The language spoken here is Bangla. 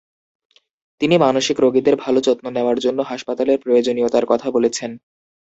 তিনি মানসিক রোগীদের ভালো যত্ন নেওয়ার জন্য হাসপাতালের প্রয়োজনীয়তার কথা বলেছেন।